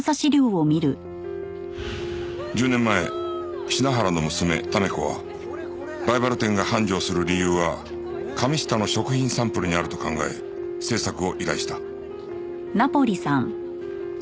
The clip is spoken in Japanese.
１０年前品原の娘試子はライバル店が繁盛する理由は神下の食品サンプルにあると考え制作を依頼した